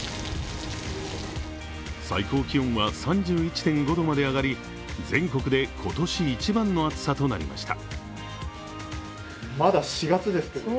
最高気温は３１．５度まで上がり、全国で今年一番の暑さとなりました。